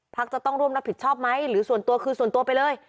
จะต้องร่วมรับผิดชอบไหมหรือส่วนตัวคือส่วนตัวไปเลย